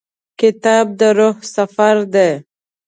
کتاب د روح سفر دی.